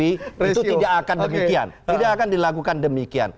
itu tidak akan demikian